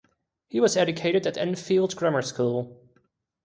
He was educated at Enfield Grammar School.